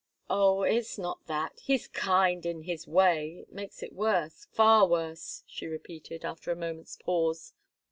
"Oh, it's not that! He's kind in his way it makes it worse far worse," she repeated, after a moment's pause.